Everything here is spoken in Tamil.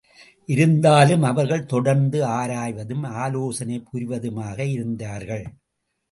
இருந்தாலும் அவர்கள் தொடர்ந்து ஆராய்வதும் ஆலோசனை புரிவதுமாக இருந்தார்கள்.